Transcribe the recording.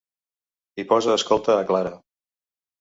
I posa escolta a Clara.